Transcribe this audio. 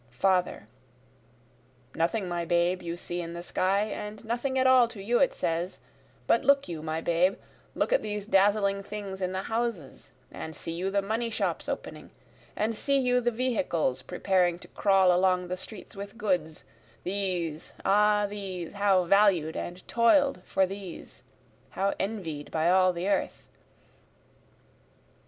Father: Nothing my babe you see in the sky, And nothing at all to you it says but look you my babe, Look at these dazzling things in the houses, and see you the money shops opening, And see you the vehicles preparing to crawl along the streets with goods; These, ah these, how valued and toil'd for these! How envied by all the earth.